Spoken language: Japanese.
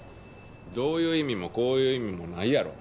どういう意味もこういう意味もないやろ。